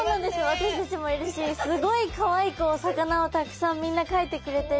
私たちもいるしすごいかわいくお魚をたくさんみんな描いてくれてるし。